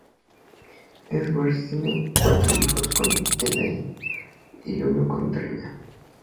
Edwards tiene cuatro hijos con Elaine y uno con Trina.